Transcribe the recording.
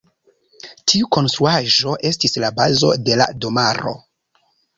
Tiu konstruaĵo estis la bazo de la domaro.